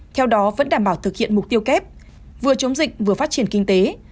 theo đó vẫn đảm bảo thực hiện mục tiêu kép vừa chống dịch vừa phát triển kinh tế